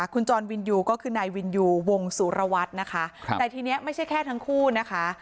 คุณจรวินยูก็คือนายวินยูวงสุรวัตรนะคะแต่ทีนี้ไม่ใช่แค่ทั้งคู่นะคะ